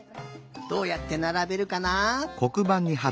どうやってならべるかな？